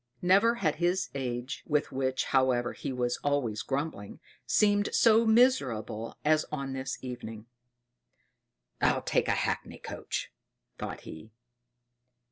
Never had his age, with which, however, he was always grumbling, seemed so miserable as on this evening. "I'll take a hackney coach!" thought he.